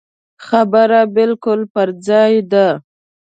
خبره بالکل پر ځای ده.